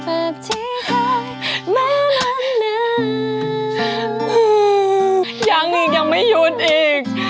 อือยังอีกยังไม่ยุดอีก